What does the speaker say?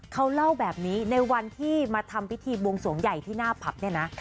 เขาเล่าแบบนี้ในวันที่มาทำพิธีบวงสวงใหญ่ที่หน้าผับเนี่ยนะ